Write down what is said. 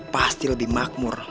pasti lebih makmur